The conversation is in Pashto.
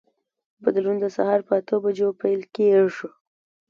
بدلون د سهار په اته بجو پیل کېږي.